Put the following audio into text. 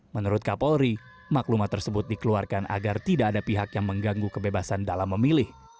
menurut kapolri maklumat tersebut dikeluarkan agar tidak ada pihak yang mengganggu kebebasan dalam memilih